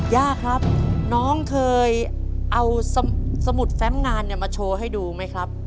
ย่าครับน้องเคยเอาสมุดแฟมงานมาโชว์ให้ดูไหมครับ